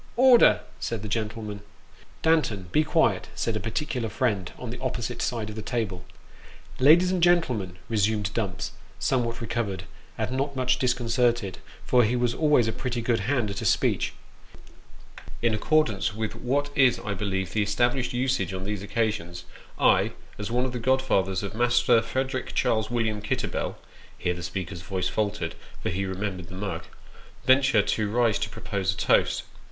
" Order !" said the gentlemen. " Danton, be quiet," said a particular friend on the opposite side of the table. Uncle Dumps does his Duty. 367 " Ladies and gentlemen," resumed Dumps, somewhat recovered, and not much disconcerted, for he was always a pretty good hand at a speech "In accordance with what is, I believe, the established usage on these occasions, I, as one of the godfathers of Master Frederick Charles William Kitterbell (here the speaker's voice faltered, for he remembered the mug) venture to rise to propose a toast.